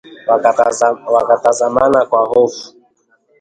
Wakatazamana kwa hofu